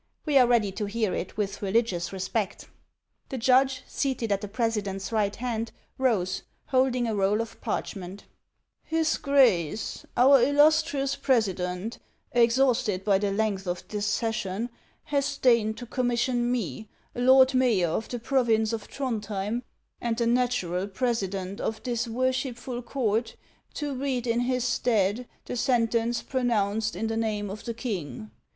We are ready to hear it with religious respect," The judge, seated at the president's right hand, rose, holding a roll of parchment :" His Grace, our illustrious president, exhausted by the length of this session, has deigned to commission me, lord mayor of the province of Throndhjem, and the natural president of this worshipful court, to read in his stead the sentence pronounced in the name of the king.